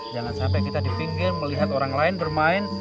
jangan sampai kita di pinggir melihat orang lain bermain